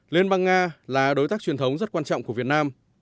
liên bang nga là đối tác truyền thống rất quan trọng của việt nam